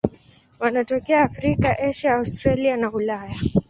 Wanatokea Afrika, Asia, Australia na Ulaya.